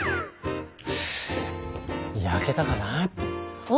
焼けたかな。